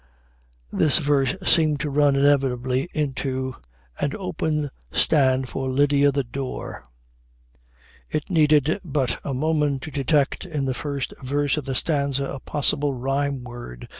This verse seemed to run inevitably into "And open stand for Lydia the door." It needed but a moment to detect in the first verse of the stanza a possible rhyme word.